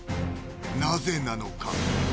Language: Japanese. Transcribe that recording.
なぜなのか？